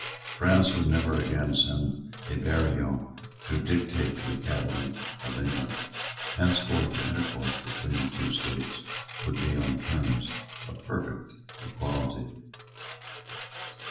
France would never again send a Barillon to dictate to the cabinet of England. Henceforth the intercourse between the two states would be on terms of perfect equality.